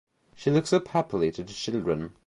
She looks up happily to the children.